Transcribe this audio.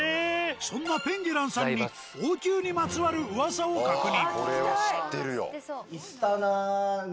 そんなペンゲランさんに王宮にまつわる噂を確認。